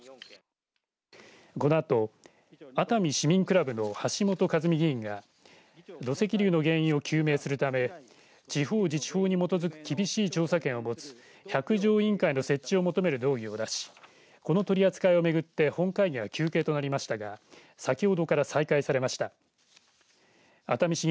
このあと、熱海市民クラブの橋本一実議員が土石流の原因を究明するため地方自治法に基づく厳しい調査権を持つ百条委員会の設置を求める動議を出しこの取り扱いをめぐって本会議が休憩となりましたが先ほどから再開されました。